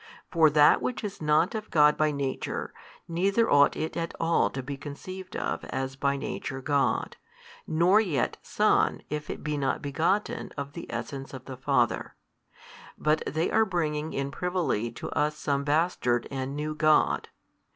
For that which is not of God by nature, neither ought it at all to be conceived of as by nature God, nor yet Son if it be not begotten of the Essence of the Father, but they are bringing in privily to us some bastard and new god.